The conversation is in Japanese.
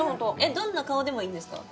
どんな顔でもいいんですか？